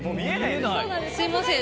すみません。